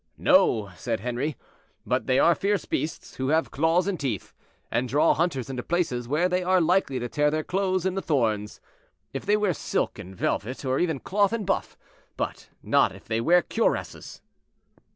"No," said Henri; "but they are fierce beasts, who have claws and teeth, and draw hunters into places where they are likely to tear their clothes on the thorns, if they wear silk and velvet, or even cloth and buff, but not if they wear cuirasses."